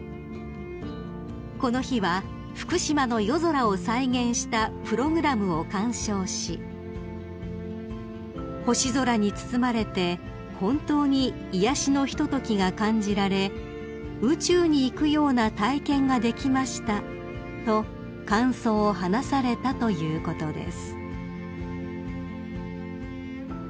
［この日は福島の夜空を再現したプログラムを鑑賞し「星空に包まれて本当に癒やしのひとときが感じられ宇宙に行くような体験ができました」と感想を話されたということです］